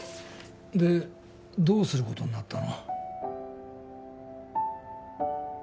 でどうすることになったの？